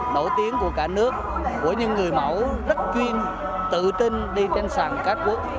nổi tiếng của cả nước của những người mẫu rất chuyên tự tin đi trên sàn các quốc